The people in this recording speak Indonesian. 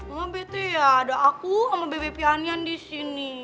mama bete ya ada aku sama bebe pianian disini